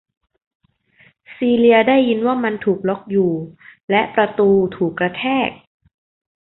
ซีเลียได้ยินว่ามันถูกล๊อคอยู่ และประตูถูกกระแทก